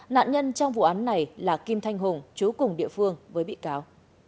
nạn nhân trong vụ án này là kim thanh hùng chú cùng địa phương với bị cáo